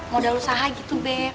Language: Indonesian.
model usaha gitu beb